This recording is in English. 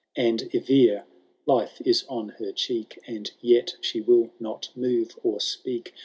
And Eivir — life is on her cheek. And yet she will not move or speak.